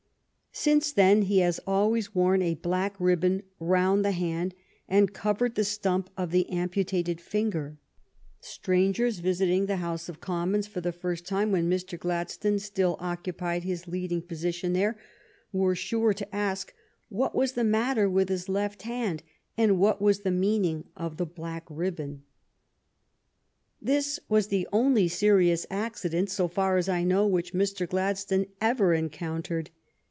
Since then he has always worn a black ribbon round the hand and covering the stump of the amputated finger. Strangers visiting the House of Commons for the first time, when Mr. Gladstone still occu pied his leading position there, were sure to ask what was the matter with his left hand and what was the meaning of the black ribbon. lOO THE STORY OF GLADSTONE'S LIFE This was the only serious accident, so far as I know, which Mr. Gladstone ever encountered.